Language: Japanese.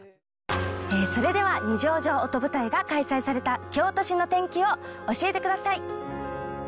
それでは二条城音舞台が開催された京都市の天気を教えてください。